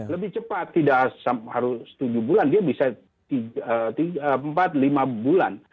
lebih cepat tidak harus tujuh bulan dia bisa empat lima bulan